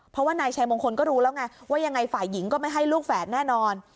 เพราะว่านายชัยมงคลก็รู้แล้วไงว่ายังไงฝ่ายหญิงก็ไม่ให้ลูกแฝดแน่นอน